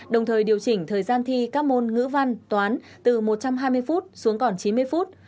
đồng thời điều chỉnh thời gian thi các môn ngữ văn toán từ một trăm hai mươi phút xuống còn chín mươi phút